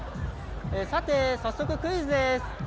さて、早速クイズです。